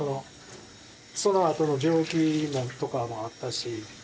そのあとの病気とかもあったし。